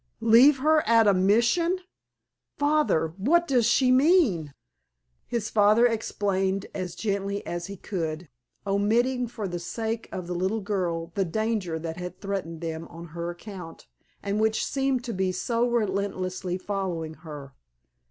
"Leave her at a Mission? Father—what does she mean?" His father explained, as gently as he could, omitting, for the sake of the little girl, the danger that threatened them on her account, and which seemed to be so relentlessly following her.